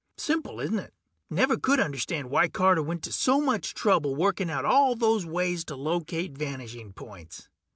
Simple, isn't it? Never could understand why Carter went to so much trouble working out all those ways to locate vanishing points.